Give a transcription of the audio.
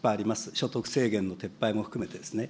所得制限の撤廃も含めてですね。